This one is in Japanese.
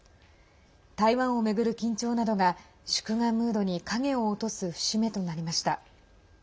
台湾を巡る緊張などが祝賀ムードに影を落とす節目となりました。